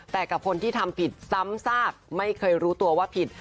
แต่กับคนที่ทำผิดซ้ำซากไม่เคยรู้ตัวว่าผิด